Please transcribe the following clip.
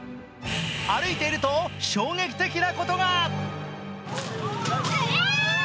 歩いていると、衝撃的なことが。